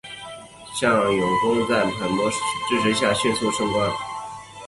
向永功在萨摩藩的支持下迅速升官。